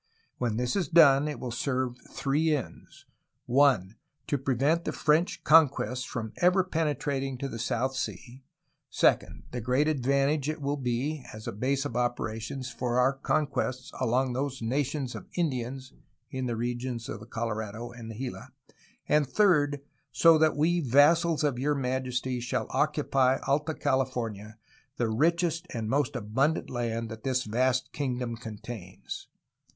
When this is done it will serve three ends : one, to prevent the French conquests from ever penetrating to the South Sea; second, the great advantage it will be [as a base of op erations] for our conquests among those nations of Indians [in the regions of the Colorado and Gila]; and third, so that we the vassals of Your Majesty shall occupy [Alta California] the richest and most abundant land that this vast kingdom contains.